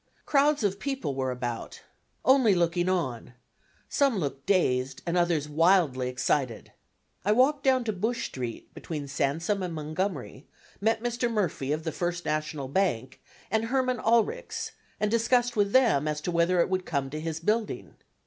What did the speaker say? Crowds of people were about, only looking on some looked dazed, and others wildly excited. I walked down to Bush Street between Sansome and Montgomery, met Mr. Murphy of the First National Bank, and Herman Oelrichs, and discussed with them as to whether it would come to his building.